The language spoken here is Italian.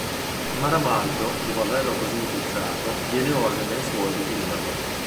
Maramaldo dopo averlo così infilzato, diede ordine ai suoi di finirlo.